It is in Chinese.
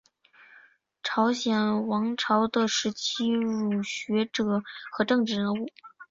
朝鲜王朝的时期儒学者和政治人物。